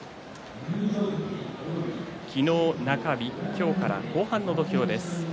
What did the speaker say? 昨日、中日今日から後半の土俵です。